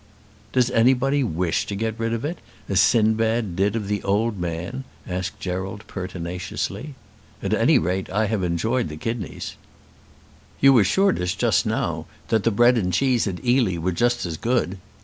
"Does anybody wish to get rid of it, as Sindbad did of the Old Man?" asked Gerald pertinaciously. "At any rate I have enjoyed the kidneys." "You assured us just now that the bread and cheese at Ely were just as good."